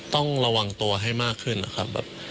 ต้องระวังตัวให้มากขึ้นนะครับ